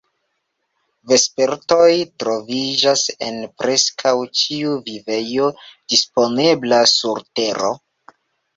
Vespertoj troviĝas en preskaŭ ĉiu vivejo disponebla sur Tero.